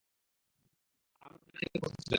আমরা তখন তাঁর নিকট বসা ছিলাম।